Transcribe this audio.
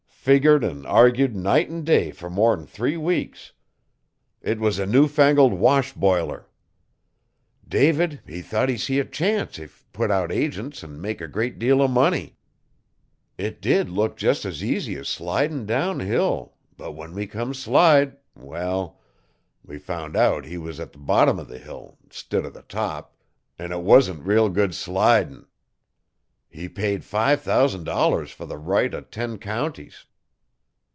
Figgered an' argued night an' day fer more 'n three weeks. It was a new fangled wash biler. David he thought he see a chance if put out agents an' make a great deal o'money. It did look jest as easy as slidin' downhill but when we come slide wall, we found out we was at the bottom o the hill 'stid o' the top an' it wan't reel good slidin. He paid five thousan' dollars fer the right o'ten counties.